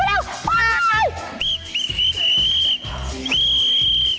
ไปก่อน